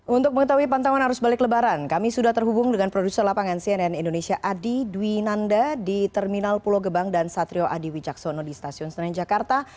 untuk mengetahui pantauan arus balik lebaran kami sudah terhubung dengan produser lapangan cnn indonesia adi dwi nanda di terminal pulau gebang dan satrio adi wijaksono di stasiun senen jakarta